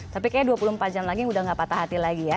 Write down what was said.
tapi kayaknya dua puluh empat jam lagi udah gak patah hati lagi ya